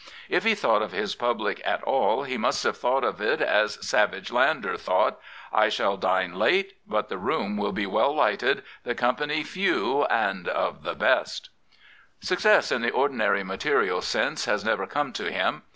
If he thought of his public at all he must have thought of it as Savage Landor thought —" I shall dine late; but the room will be well lighted, the company few and of the best/' Success in the ordinary material sense has never come to him.